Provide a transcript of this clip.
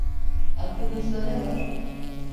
Aklınızda ne var?